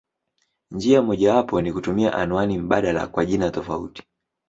Njia mojawapo ni kutumia anwani mbadala kwa jina tofauti.